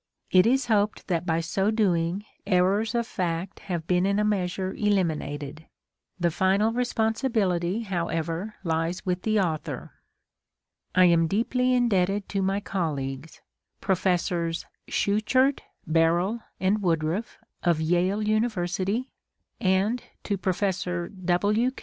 It is hoped that by so doing errors of fact have been in a measure eliminated; the final responsibility, however, lies with the author. vu viii PREFACE I am deeply indebted to my colleagues, Professors Schuchert, Barrell, and Woodruff of Yale University, and to Professor W.